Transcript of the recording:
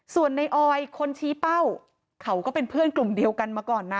ส่วนในออยคนชี้เป้าเขาก็เป็นเพื่อนกลุ่มเดียวกันมาก่อนนะ